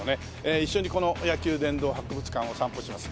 一緒にこの野球殿堂博物館を散歩します